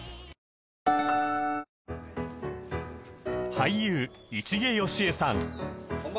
俳優市毛良枝さん